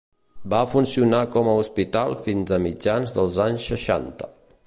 Va funcionar com a Hospital fins a mitjans dels anys seixanta.